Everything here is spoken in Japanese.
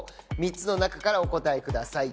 ３つの中からお答えください